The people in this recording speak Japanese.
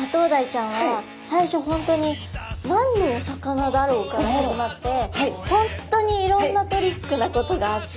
マトウダイちゃんは最初本当に何のお魚だろうから始まって本当にいろんなトリックなことがあって。